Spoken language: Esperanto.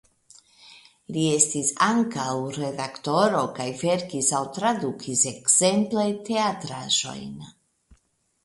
Li estis ankaŭ redaktoro kaj verkis aŭ tradukis ekzemple teatraĵojn.